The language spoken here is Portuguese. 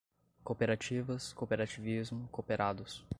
Cooperativas, cooperativismo, cooperados